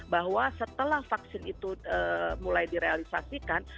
bahwa setelah vaksin itu mulai direalisasikan